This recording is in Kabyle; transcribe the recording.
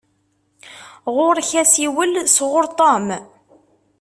Ɣuṛ-k asiwel sɣuṛ Tom.